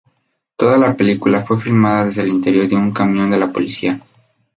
Toda la película fue filmada desde el interior de un camión de la policía.